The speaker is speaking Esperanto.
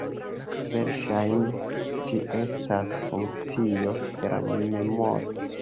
Verŝajne ĝi estas funkcio de la memoro.